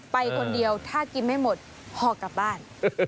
ไปคนเดียวถ้ากินไม่หมดพอกลับบ้าน